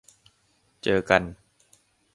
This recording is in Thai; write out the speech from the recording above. เจอกัน